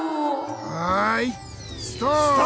はいストーップ！